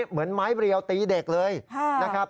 เหมือนไม้เรียวตีเด็กเลยนะครับ